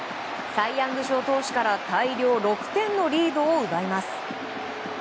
サイ・ヤング賞投手から大量６点のリードを奪います。